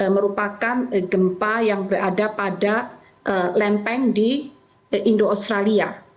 merupakan gempa yang berada pada lempeng di indo australia